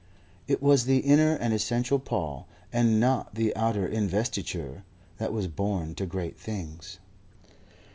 It was the inner and essential Paul and not the outer investiture that was born to great things.